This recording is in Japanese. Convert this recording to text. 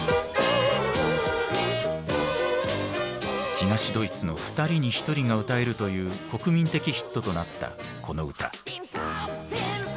東ドイツの２人に１人が歌えるという国民的ヒットとなったこの歌。